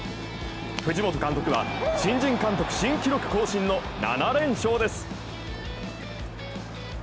藤本監督は新人監督新記録更新の７連勝です。